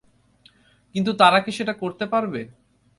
কিন্তু তারা কি সেটা করতে পারবে?